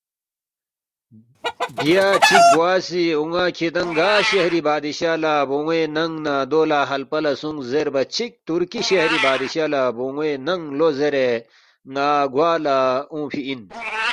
بیا چِک بوا سی اون٘ا کِھدانگ گا شہری بادشاہ لہ بون٘وے ننگ نہ دو لہ ہلپہ لہ سونگ زیربا چِک تُرکی شہری بادشاہ لہ بون٘وے ننگ لو زیرے ن٘ا گوا لہ اونگفی اِن